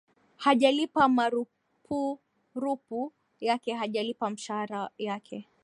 hajalipa marupurupu yake hajalipa mshara yake